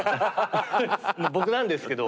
僕なんですけど。